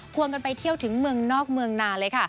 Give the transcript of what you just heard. วนกันไปเที่ยวถึงเมืองนอกเมืองนาเลยค่ะ